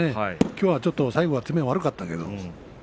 きょうは最後を詰め悪かったけれども。